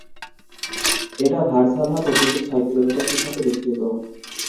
এটা ভার্সোভা পর্যন্ত ছয় কিলোমিটার পর্যন্ত বিস্তৃত।